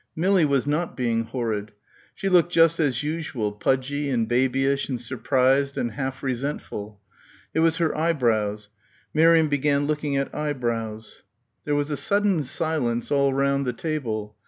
Millie was not being horrid. She looked just as usual, pudgy and babyish and surprised and half resentful ... it was her eyebrows. Miriam began looking at eyebrows. There was a sudden silence all round the table.